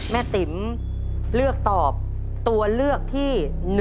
ติ๋มเลือกตอบตัวเลือกที่๑